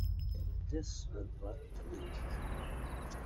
This will plug the leak.